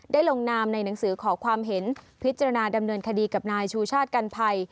ลงนามในหนังสือขอความเห็นพิจารณาดำเนินคดีกับนายชูชาติกันภัย